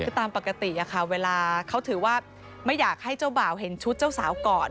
คือตามปกติอะค่ะเวลาเขาถือว่าไม่อยากให้เจ้าบ่าวเห็นชุดเจ้าสาวก่อน